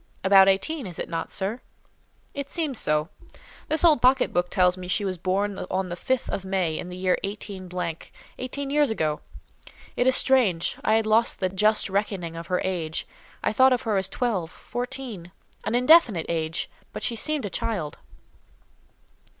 "About eighteen, is it not, sir?" "It seems so. This old pocket book tells me she was born on the 5th of May, in the year 18—, eighteen years ago. It is strange; I had lost the just reckoning of her age. I thought of her as twelve—fourteen—an indefinite date; but she seemed a child."